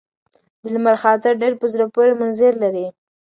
د لمر خاته ډېر په زړه پورې منظر لري.